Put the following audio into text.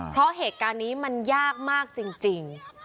เพราะเหตุการณ์นี้มันยากมากจริง